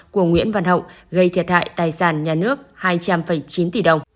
của nguyễn văn hậu gây thiệt hại tài sản nhà nước hai trăm linh chín tỷ đồng